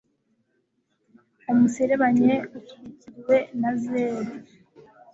umuserebanya, utwikiriwe na zeru